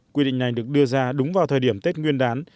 quy định này được đưa ra đúng vào thời điểm tết nguyên đán